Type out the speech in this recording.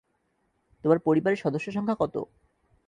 তোমার পরিবারের সদস্য সংখা কত?